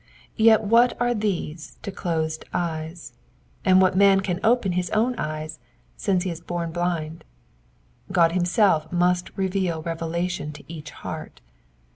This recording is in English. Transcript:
Yet what are these to closed eyes ? And what man can open his own eyes, since he is bom blind ? God himself must reveal revelation to each heart.